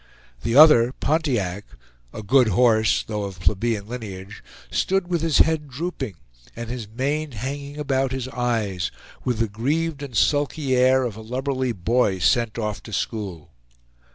The other, Pontiac, a good horse, though of plebeian lineage, stood with his head drooping and his mane hanging about his eyes, with the grieved and sulky air of a lubberly boy sent off to school.